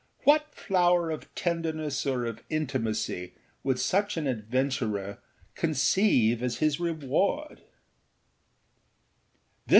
What flower of tenderness or of intimacy would such an adventurer conceive as his reward?